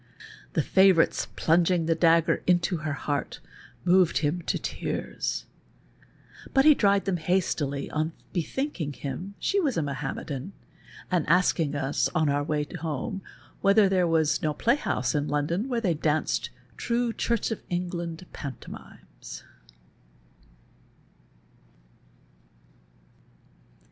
The faNourite's plunging the dagger into her luart moved him to tears, but he dried them hastily on l)ethinking liiin she was a Mahometan, and asked of us, on our way home, whether there was no |)layhouse in London where they danced true Church of Kngland panto mimes.